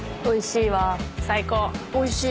おいしい。